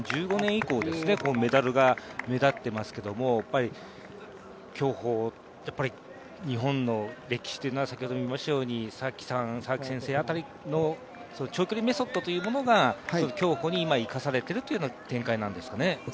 すごいですよね、２０１５年以降メダルが目立ってますけど競歩、日本の歴史というのはさわき先生辺りの長距離メソッドというものが今、競歩に生かされているという展開なんですかね。